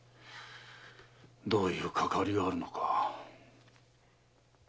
どういうかかわりがあるのか。